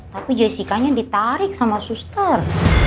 tapi jessica nya ditarik sama suster